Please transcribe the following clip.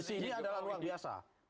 nah hanya disini adalah luar biasa